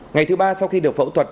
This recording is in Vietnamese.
ngày thứ ba sau khi được phẫu thuật